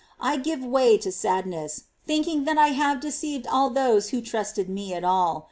I give way to sadness, thinking I have deceived all those who trusted me at all.